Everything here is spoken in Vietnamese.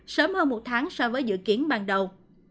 sớm hơn một tháng so với dự kiến ban đầu